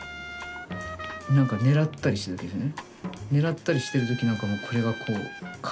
何か狙ったりしてる時ですね。